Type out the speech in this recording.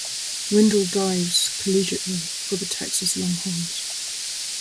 Windle dives collegiately for the Texas Longhorns.